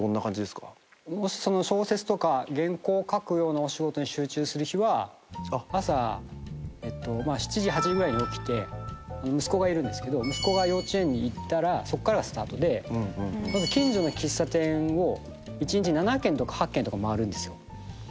もしその小説とか原稿書くようなお仕事に集中する日は朝えっとまあ７時８時ぐらいに起きて息子がいるんですけど息子が幼稚園に行ったらそっからがスタートでまず近所の喫茶店を一日７軒とか８軒とか回るんですよ。